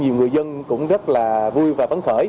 những người dân cũng rất là vui và vấn khởi